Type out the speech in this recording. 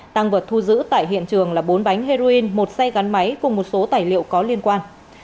tăng vật thu giữ tại hiện trường là bốn bánh heroin một xe gắn máy cùng một số tài liệu có liên quan